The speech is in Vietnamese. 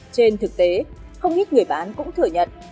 trên thực tế không ít người bán cũng thừa nhận